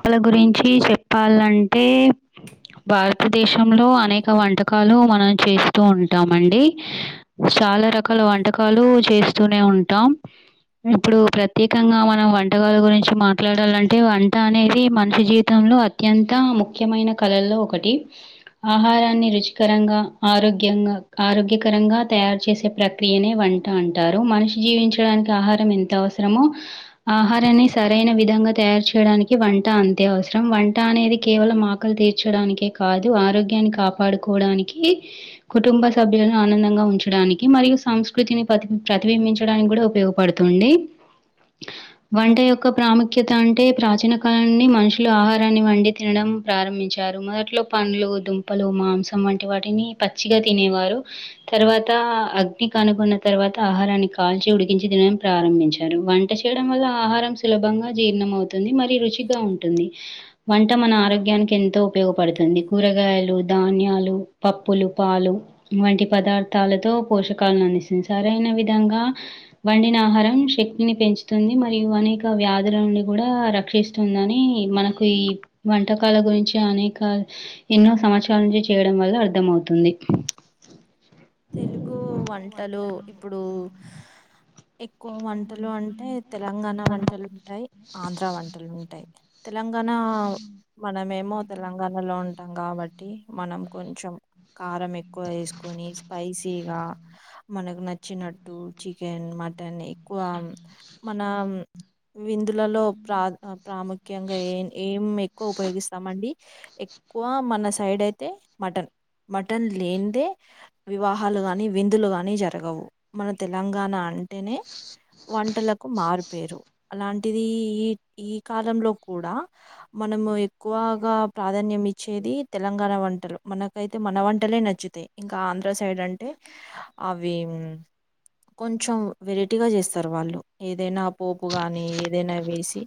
వాళ్ళ గురించి చెప్పాలంటే భారతదేశంలో అనేక వంటక కాలు మనం చేస్తూ ఉంటామండి చాలా రకాల వంటకాలు చేస్తూనే ఉ ఉంటాం ఇప్పుడు ప్రత్యేకంగా మనం వంటకాలు గురించి మాట్లాడాలంటే వంట ప అనేది మనిషి జీవితంలో అత్యంత ముఖ్యమైన కళల్లో ఒకటి ఆహారాన్ని రుచికరంగా ఆరోగ్యంగా ఆరోగ్యకరంగా తయారు చేసే ప్రక్రియనే వంట అంటారు మనిషి జీవించడానికి ఆహారం ఎంత అవసరమో ఆహారాన్ని సరైన విధంగా తయారు చేయడానికి వంట అంతే అవసరం వంట అనేది కేవలం ఆకలి తీర్చడానికే కాదు ఆరోగ్యాన్ని కాపాడుకో కోడానికి కుటుంబ సభ్యులను ఆనందంగా ఉంచడానికి మరియు సంస్కృతిని ప్రతి ప్రతిబింబ్ ఉంచడానికి కూడా ఉపయోగపడుతుంది వంట యొక్క ప్రాముఖ్యత అంటే ప్రాచీన కానీ మనుషులు ఆహారాన్ని వండి తినడం ప్రారంభించారు మొదట్లో పండ్లు దుంపలు మాంసం వంటి వాటిని పచ్చిగా తినేవారు తర్వాత అగ్ని కనుకొన్న తర్వాత ఆహారాన్ని కాల్ కాల్చి ఉడికించి తినడం ప్రారంభించారు వంట చేయడం వల్ల ఆహారం సులభంగా జీర్ణం అవుతుంది మరి రుచి దిగా ఉంటుంది వంట మన ఆరోగ్యానికి ఎంతో ఉపయోగపడుతుంది కూరగాయలు, ధాన్యాలు పప్పులు పాలు వంటి పదార్థాలతో పోషకాలను అందిస్తుంది సరైన విధంగా వండిన ఆహారం శక్తిని పెంచుతుంది మరియు అనేక వ్యాధుల నుండి కూడా రక్షిస్తు తుందని మనకు ఈ వంటకాల గురించి అనేక ఎన్నో సంవత్సరాల నుంచి చేయడం వల్ల అర్థం అవుతుంది తెలుగు వంటలు ఇప్పుడు ఎక్కువ వంటలు అం అంటే తెలంగాణ వంటలు ఉంటాయి ఆంధ్ర వంటలు ఉంటాయి తెలంగాణ మనమేమో తెలంగాణలో ఉంటాం కాబట్టి మనం కొంచెం కారం ఎక్కువ వేసుకొనేసి స్పైసీగా మనకు నచ్చినట్టు చికెన్ మటన్ ఎక్కువ మన విందులలో ప్రా ప్రాముఖ్యంగా ఏన్ ఏం ఎక్కువ ఉపయోగిస్తామండి ఎక్కువ మన సం సైడ్ అయితే మటన్ మటన్ లేనిదే వివాహాలు గానీ విందులు గాని జరగవు మన తెలంగాణ అంటేనే వంటలకు మారుపేరు అలాంటిది ఈ ఈ కాలంలో కూడా మనము ఎక్కువగా ప్రాధాన్యం ఇచ్చేది తెలంగాణ వంటలు మనకైతే మన వంటలే నచ్చుతాయి ఇంకా ఆంధ్ర సైడ్ అంటే అవి కొంచెం వెరైటీగా చేస్తారు వాళ్ళు ఏదైనా పోపు గాని ఏదైనా వేసి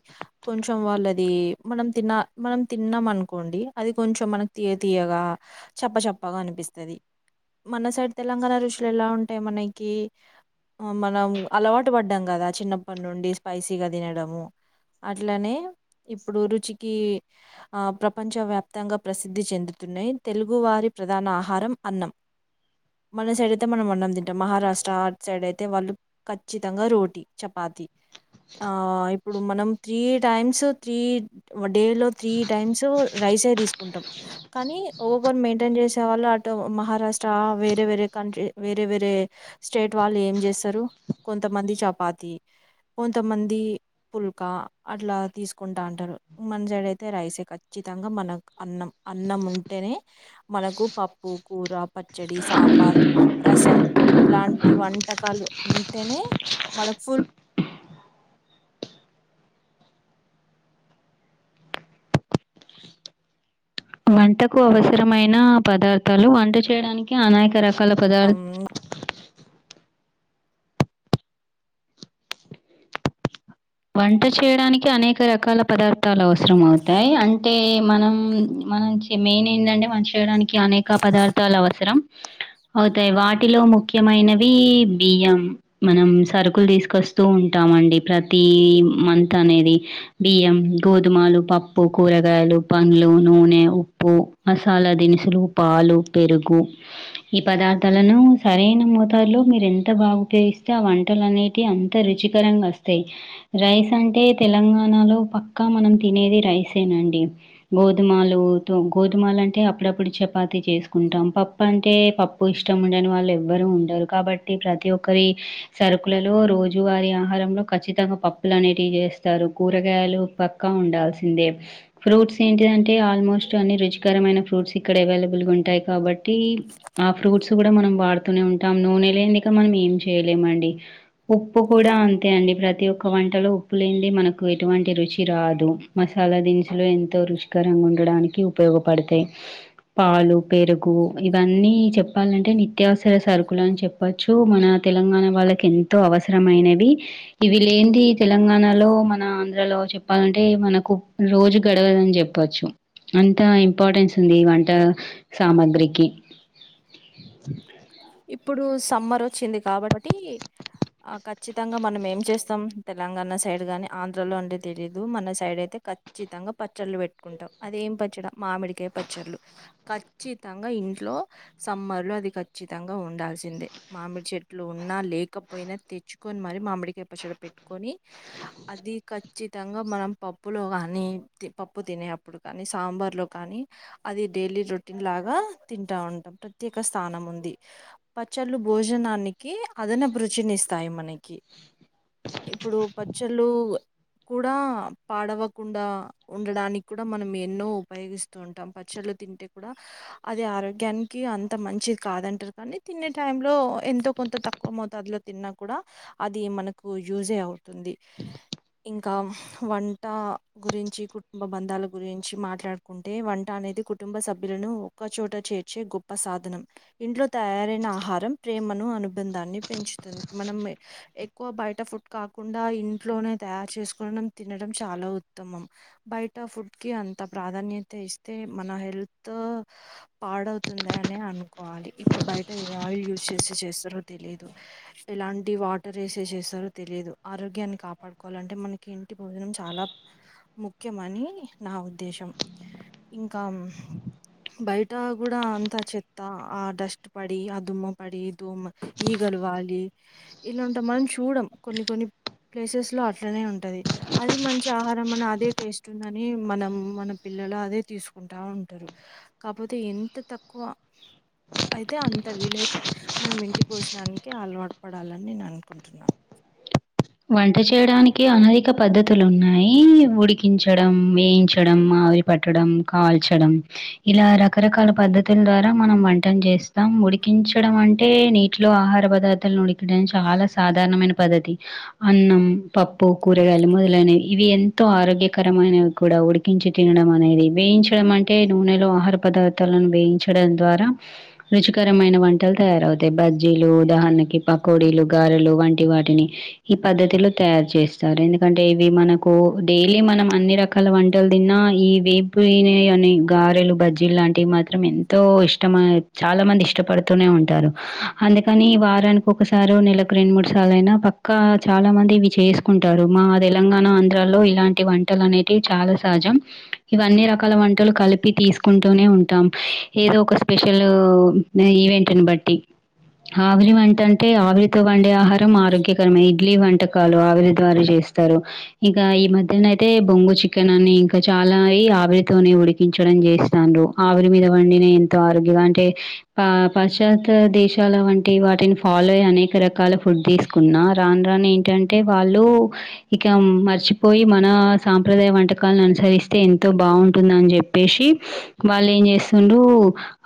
కొంచెం వాళ్ళది మనం తిన్న మనం తిన్నం అనుకోండి అది కొంచెం మనకు తీయ తీయగా చప్పచప్పగా అనిపిస్తది మన సైడ్ తెలంగాణ రుషులు ఎలా ఉంటాయి మనకి మనం అలవాటు పడ్డం కదా చిన్నప్పటి నుండి స్పైసీగా తినడము అట్లనే ఇప్పుడు రుచికి ఆ ప్రపంచ వ్యాప్తంగా ప్రసిద్ధి చెందుతున్నాయి తెలుగు వారి ప్రధాన ఆహారం అన్నం అ మన సైడ్ అయితే మనం అన్నం తింటాం మహారాష్ట్ర అటు సైడ్ అయితే వాళ్ళు ఖచ్చితంగా రోటీ, చపాతి ఆఁ ఇప్పుడు మనం త్రీ టైమ్స్ త్రీ డే లో త్రీ టైమ్స్ రైసే తీసుకుంటం కానీ ఒవర్ మెయింటైన్ చేసేవాళ్ళు అటు మహారాష్ స్టా వేరే వేరే క్రంట్రీ వేరే వేరే స్టేట్ వాళ్ళు ఏం చేస్తరు కొంతమంది చపా తి కొంతమంది పుల్కా అట్లా తీసుకుంటా అంటరు మన సైడ్ అయితే రైసే కచ్చి తంగా మనక్ అన్నం అన్నం ఉంటేనే మనకు పప్పు కూర ప చ్చడి సాంబార్ రసం ఇలాంటి వంటకాలు ఉంటేనే మనకు ఫుల్ వంటకు అవసరమైన పదార్థాలు వంట చేయడానికి అనేక ర కాల పదార్ ఆహ్ వంట చేయడానికి అనేక రకాల పదార్థాలు అవసరం అవుతాయి అంటే మనం మనచె మెయిన్ ఏందంటే మన చేయడానికి అనేక పదార్థాలు అవసరం అవుతాయి వాటిలో ముఖ్యమైనవి బియ్యం మనం సరుకులు తీసుకొస్తూ ఉంటామండి ప్ర తీ మంత్ అనేది బియ్యం గోధుమలు పప్పు కూరగాయలు పండ్లు నూనె ఉప్పు మసాలా దినుసులు పాలు పెరుగు ఈ పదార్థాలను సరైన మోతాలో మీరు ఎంత బాగా ఉపయోగిస్తే ఆ వంటలు అనేటి అంత రుచికరంగా వస్ తయి రైస్ అంటే తెలంగాణలో పక్కా మనం తినేది రైసేనండి గో గోధుమాలు గోధుమలు అంటే అప్పుడప్పుడు చపాతి చేసుకుంటాం పప్పు అంటే పప్పు ఇష్టం ఉండని వాళ్ళు ఎవ్వరు ఉండరు, కాబట్టి ప్రతి ఒక్కరి సరుకులలో రోజు వారి ఆహారంలో ఖచ్చితంగా పప్పులు అనేటివి చేస్తరు. కూరగాయలు పక్క ఉండాల్సిందే, ఫ్రూట్స్ ఏంటి దంటే ఆల్మోస్ట్ అన్ని రుచికరమైన ఫ్రూట్స్ ఇక్కడ అవైలబుల్గా ఉంటాయి కాబట్టి ఆ ఫ్రూట్స్ కూడ మనం వాడుతూనే ఉంటం నూనె లేందిక మనం ఏం చేయలేమండి ఉప్పు కూడ అంతే అండి ప్రతి ఒక్క వంటలో ఉప్పు లేన్ది మనకు ఎటువంటి రుచి రాదు. మసాలా దినుసులో ఎంతో రుచిక కరంగా ఉండడానికి ఉపయోగపడతయి. పాలు పెరుగు ఇవన్నీ చెప్పాలంటే నిత్యావసర సరుకులు అని చెప్పచ్చు మన తెలంగాణ వాళ్ళకి ఎంతో అవసరమైనవి. ఇవి లేన్ది తెలంగాణలో, మన ఆంధ్రలో చెప్పాలంటే మనకు రోజు గడవదని చెప్ పొచ్చు అంత ఇంపార్టెన్స్ ఉంది వంట సామాగ్రికి ఇప్పుడు సమ్మర్ వచ్చింది కాబట్టి ఆ క చ్చితంగా మనం ఏం చేస్తం తెలంగాణ సైడ్ కానీ ఆంధ్రలో అంటే తెలీయదు మన సైడ్ అయితే ఖచ్చితం గా పచ్చడ్లు పెట్టుకుంటం అదేం పచ్చడ! మామిడికాయ పచ్చడ్లు ఖచ్చితంగా ఇంట్లో సమ్మర్ లో అది ఖ చ్చితంగా ఉండాల్సిందే. మామిడి చెట్లు ఉన్నా, లేకపోయినా తెచ్చుకొని మరి మామిడి కాయ పచ్చడ పెట్టుకొని అది ఖ చ్చితంగా మనం పప్పులో గానీ తి పప్పు తినేప్పుడు కానీ సాంబార్లో కానీ అది డైలీ రొటీన్ లాగా తింటావుంటం ప్రత్యేక స్థానం ఉం పచ్చళ్ళు భోజనానికి అదనపు రుచిని ఇస్తాయి మనకి ఇప్పుడు పచ్చల్లు కూడ పాడవకుండ ఉండడానికి కూడ మనం ఎన్నో ఉపయోగిస్తూ ఉంటాం పచ్చల్లు తింటే కూడ అది ఆరోగ్యానికి అంత మంచి కాదంటారు కానీ తినే టైమ్ లో ఎంతో కొంత తక్కువ మోతాదిలో తిన్నా కూడా అది మనకు యూజే అవుతుంది ఇంక వంట గురించి కుటుంబ బంధాల గురించి మాట్లాడుకుంటే వంట అనేది కుటుంబ సభ్యులను ఒక్కచోట చేర్చే గొప్ప సాధనం ఇంట్లో తయారైన ఆహారం ప్రేమను అనుబంధాన్ని పెంచుతుంది మనం ఎక్కువ బయట ఫు కాకుండా ఇంట్లోనే తయారు చేసుకు తినడం చాలా ఉత్తమం బయట ఆ ఫుడ్ కి అంత ప్రాధాన్యత ఇస్తే మన హెల్త్ పాడవుతుంది అని అనుకోవాలే ఇప్పుడ బయట ఏ ఆయిల్ యూజ్ చేసే చేస్తారో తెలియదు ఎలాంటి వాటర్ వేసే చేస్తారో తెలిదు లేదు ఆరోగ్యాన్ని కాపాడుకోవాలంటే మనకి ఇంటి భోజనం చాల ముఖ్యం అని నా ఉద్దేశం ఇంక బయట కూడ అంత చెత్త ఆ డస్ పడి ఆ దుమ్మ పడి దోమ ఈగలవాలి ఇలా ఉంటాం మనం చూడం కొన్ని కొన్ని ప్లేసెస్ లో అట్లనే ఉంటది అది మంచి ఆహారం అని అదే టేస్ట్ ఉందని మనం మన పిల్ల [unintelligible] అదే తీసుకుంటా ఉంటారు కాకపోతే ఎంత తక్కువ అ అయితే అంత వీలైతే మనం ఇంటి పోజననికి అలవాటు పడాలని నేను అనుకుంటున్నాను వంట చేయడానికి అనేక పద్ధతులు ఉన్నాయి ఉడికించడం వేయించడం ఆరి పట్టడం కాల్చడం ఇలా రకరకాల పద్ధతుల ద్వార మనం వంటలు చేస్తాం ఉడికించడం అంటే నీటిలో ఆహార పదార్థాలను ఉడికడం చాల సాధారణమైన పద్ధతి అన్నం పప్పు కూరగాయలు మొదలైనవి ఇవి ఎంతో ఆరోగ్యకరమైనవి కూడా ఉడికించి తినడం అనేది వేయించడం అంటే నూనెలో ఆహార పదార్థాలను వేయి ద్వార రుచికరమైన వంటలు తయారవు [unintelligible] బజ్జీలు ఉదాహరణకి పకోడీలు గారలు వంటి వాటిని ఈ పద్ధతిలో తయారు చేస్తారు ఎందుకంటే ఇవి మనకు డైలీ మనం అన్ని రకాల వంటలు తిన్నా ఈ వేపుని అని గారెలు బజ్జీలు లాంటివి మాత్రం ఎంతో ఇష్టం చాల మ ఇష్టపడుతూనే ఉంటారు అందుకని వారానికి ఒకసారో నెలకు రెండు మూడు సార్లు అయినా ఇంకా చాలా మంది ఇవి చేసుకుంటారు మా తెలంగాణ ఆంధ్రాలో ఇలాంటి వంటలు అనేవి చాలా స ఇవన్ని రకాలు వంటలు కలిపి తీసుకుంటూనే ఉం ఏదో ఒక స్పెషలు ఈవెంట్ని బట్టి ఆవిరి వంటంటే ఆవిరితో వండే ఆహారం ఆరోగ్య ఇడ్లీ వంటకాలు ఆవిరి ద్వారా చేస్తారు ఇంకా ఈ మధ్యన అయితే బొంగు చికెన్ అని ఇంకా చాల ఈ ఆవిరితోనే ఉడికించడం చేస్తారు ఆవిరి మీద వండిన ఎంతో ఆరోగ్యం అంటే పశ్చాత్య దేశాల వంటి వాటిని ఫాలో అయ్యి అనేక రకాల ఫుడ్ తీస్ న్నా రాను రాను ఏంటంటే వాళ్ళు ఇక మర్చిపోయి మన సాంప్రదాయం వంట అనుసరిస్తే ఎంతో బాగుంటుంది అని చెప్పేసి వాళ్ళు ఏం చేస్తుండడు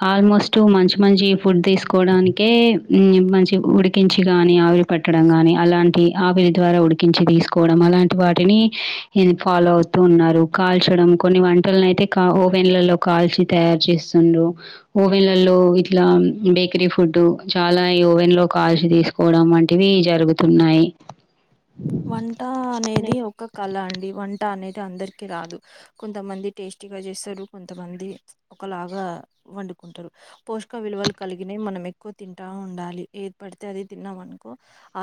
ఆ మోస్ట్ మంచి మంచి ఫుడ్ తీసుకోవడానికే మంచి ఉడికించి గాని ఆవిరి పెట్టడం గాని అలాంటి ఆవిరి ద్వార ఉడికించి తీసుకోవడం అలాంటి వాటిని ఫాలో అవు ఉన్నారు కాల్చడం కొన్ని వంటలను అయితే ఓవెన్లలో కాల్చి తయారు చేస్తుండ్రు ఓవెన్లలో ఇట్ల బేకరీ ఫుడ్డు చాలా ఈ ఓవెన్ లో కాల్చి తీసుకోవడం అంటే ఇవి జరుగుతున్నాయి వంట అనేది ఒక కళ అండి, వం టా అనేది అందరికి రాదు, కొంతమంది టేస్టీగా చేస్తరు, కొంతమంది ఒకలాగా వండుకుంటరు, పోషక విలువలు కలిగిన మనం ఎక్కువ తింటా ఉండాలి, ఏది పడితే అది తిన్నామను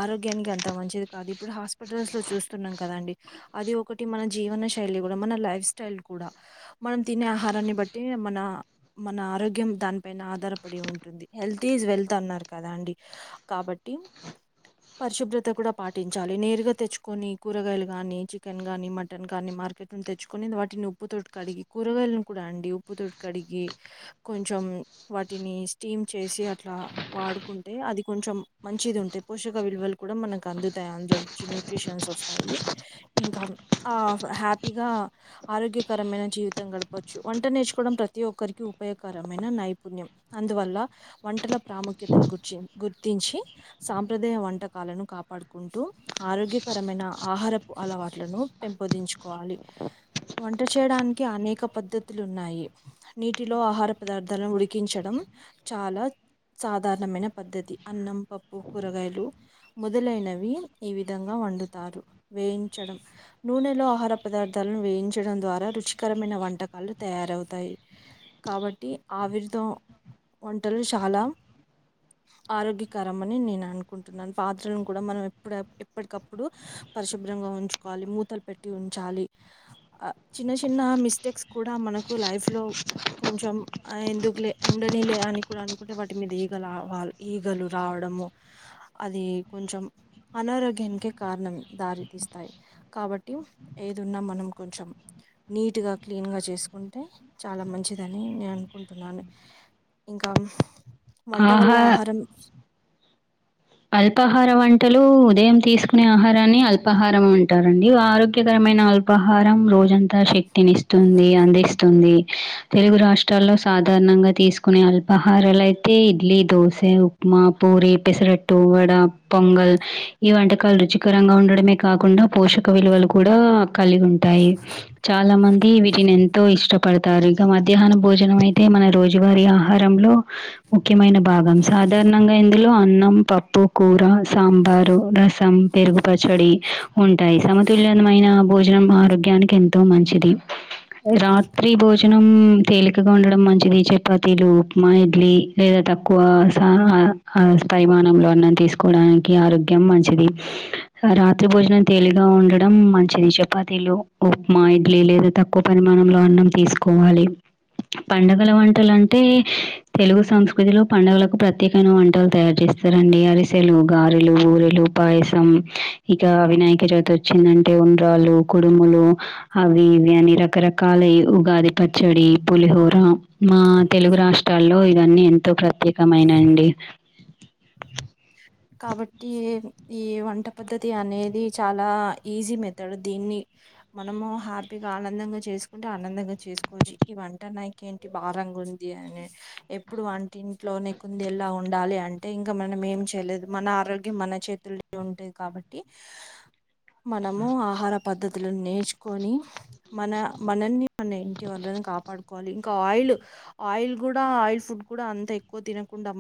ఆరోగ్యానికి అంత మంచిది కాదు. ఇప్పుడు హాస్పిటల్స్ లో చూస్తున్నాం కదండి, అది ఒకటి మన జీవన శైలి గుడ మన లైఫ్ స్టైల్ కూడా. మనం తినే ఆహారాన్ని బట్టి మన మన ఆరోగ్యం దానిపైన ఆధారపడి ఉంటుంది. హెల్త్ ఈజ్ వెల్త్ అన్నారు కదా అండి, కాబట్టి పరిశుభ్రత కూడా పా టించాలి నేరుగా తెచ్చుకొని కూరగాయలు గానీ, చికెన్ కానీ, మటన్ గానీ మార్కెట్ నుంచి తెచ్చుకొని వాటి ను ఉప్పు తోటి కడిగి, కూరగాయలను గుడా అండి ఉప్పు తటి కడిగి, కొంచెం వాటిని స్టీమ్ చేసి అట్లా వాడుకుంటే అది కొంచెం మంచిది ఉంటె, పోషక విలువలు కూడా మనకు అందు టాయి అందులో నుంచి న్యూట్రీషియన్స్ వస్తాయి, ఇంకా ఆ హ్యాపీగా ఆరో గ్యాకరమైన జీవితం గడపచ్చు వంట నేర్చుకోవడం ప్రతి ఒక్కరికి ఉపయోగకరమైన నైపుణ్యం, అందువల్ ల వంటల ప్రాముఖ్యతను గు గుర్తించి సాంప్రదాయ వంటకాలను కాపాడుకు కుంటూ ఆరోగ్యకరమైన ఆహారపు అలవాట్లను పెంపొందించుకోవాలి. వంట చేయడానికి అనేక పద్ధతులు ఉన్నాయి, నీటిలో ఆహార పదార్థాలను ఉడికించడం చాలా సాధారణమైన పద్ధతి అన్నం, పప్పు, కూరగాయలు మొదలైనవి వి ఈ విధంగా వండుతారు, వేయించడం నూనెలో ఆహార పదార్థాలను వేయించడం ద్వారా రుచికరమైన వంటకాలు తయారవుతాయి, కాబట్టి ఆవిరితో వంటలు చాలా ఆరోగ్యకరం అని నేను అనుకుంటున్నాను, పాత్రలను కూడా మనం ఇప్పుడ ఎప్పటికప్పుడు పరిశుభ్రంగా ఉంచుకోవాలి, మూతలు పెట్టి ఉంచాలి. ఆ చిన్న చిన్న మిస్టేక్స్ కూడా మనకు లైఫ్ లో కొంచెం ఆ ఎందుకు లే, ఉండని లే అన్ ని కూడా అనుకుంటే వాటి మీద ఈగ రా వాల్ ఈగలు రావడము, అది కొంచెం అనారోగ్యానికే కారణం దారితీస్తాయి, కాబట్టి ఏదున్నా మనం కొంచెం నీట్గా క్లీన్ గా చేసుకుంటే చాలా మంచిదని నేను అనుకుంటున్నాను. ఇంకా వంట వల్ల ఆహా ఆహారం అల్పాహార వంటలు ఉదయం తీసుకునే ఆహారాన్ని అల్పాహారం అంటారండి, ఆరోగ్యకరమైన అల్ అల్పహారం రోజంతా శక్తినిస్తుంది, అందిస్తుంది. తెలుగు రాష్ట్రాల్లో సాధా నంగా తీసుకునే అల్పాహారాలు అయితే ఇడ్లీ, దోశ, ఉప్మా, పూరి, పెసరెట్ టు వడ, పొంగల్ ఈ వంటకాలు రుచికరంగా ఉండడమే కాకుండా పోషక విలువలు కూడా కలిగి ఉంటాయి, చాలా మంది వీటిని ఎంతో ఇష్ట పడతారు, ఇక మధ్యాహ్న భోజనం అయితే మన రోజు వారి ఆహారంలో ముఖ్యమైన భాగం సాధారణంగా ఇందులో అన్నం, పప్ పప్పు, కూర, సాంబారు, రసం, పెరుగు పచ్చడి ఉంటాయి. సమతుల్యమైన భోజనం ఆరోగ్యానికి ఎంతో మంచిది, రాత్రి భోజనం తేలికగా ఉండడం మంచిది చపాతీలు, ఉప్మా, ఇడ్లీ లేదా తక్కువ స పరిమానంలో తీసుకోవడానికి ఆరోగ్యం మంచిది, రాత్రి భోజనం తేలిగా ఉండడం మంచిది చపాతీలు, ఉప్మా, ఇడ్లీ లేదా తక్కువ పరిమాణంలో అన్నం తీసుకోవాలి. పండుగల వంటలు అంటే తెలుగు సంస్కృతిలో పడుగలకు ప్రత్యేకమైన వంటలు తయారు చేస్తారు. రండి అరిసెలు, గారెలు, బూరెలు, పాయసం. ఇక వినయక చవితి వచ్చిందంటే ఉం ఉండ్రాలు, కుడుములు అవి ఇవి అని రకరకాలై, ఉగాది పచ్చడి, పులిహో రా మా తెలుగు రాష్ట్రాల్లో ఇవన్నీ ఎంతో ప్రత్యేకమైనండి. కాబట్టి ఈ వంట పద్ధతి అనేది చాలా ఈజీ మెథడ్, దీన్ని మనము హ్యాపీగా ఆనందంగా చేసుకుంటే ఆనందంగా చేసుకోవచ్చు, ఈ వంట నాకి ఏంటి భారం ఉంది అని ఎప్పుడు వంటింట్లోనే కుందేల్ల ఉండాలి అంటే ఇంకా మనం ఏం చేయలేదు మన ఆరోగ్యం మన చేతుల్లో ఉంటది కాబట్టి మనము ఆహార పద్ధత్ తులు నేర్చుకొని మన మనని మన ఇంటి వల్ల ని కాపాడుకోవాలి ఇంకా ఆయిల్ ఆయిల్ కూడా ఆయిల్ ఫుడ్ కూడా అంత ఎక్కువ తినకుండా మన